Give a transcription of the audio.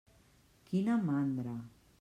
Quina mandra!